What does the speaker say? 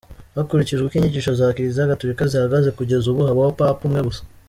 Hakurikijwe uko inyigisho za Kiliziya Gatolika zihagaze kugeza ubu habaho Papa umwe gusa.